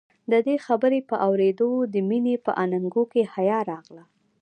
د دې خبرې په اورېدو د مينې په اننګو کې حيا راغله.